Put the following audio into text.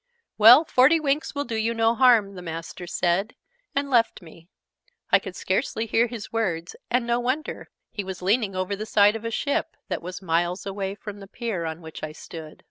"Well, forty winks will do you no harm," the Master said, and left me. I could scarcely hear his words: and no wonder: he was leaning over the side of a ship, that was miles away from the pier on which I stood.